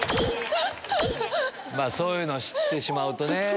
そういうのを知ってしまうとね。